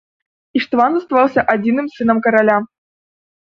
Іштван застаўся адзіным сынам караля.